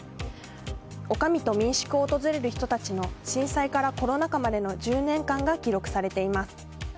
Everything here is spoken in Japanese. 女将と民宿を訪れる人たちの震災からコロナ禍までの１０年間が記録されています。